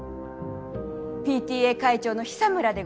ＰＴＡ会長の久村でございます。